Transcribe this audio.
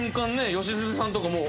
良純さんとかもう。